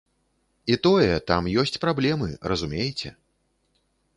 І тое, там ёсць праблемы, разумееце?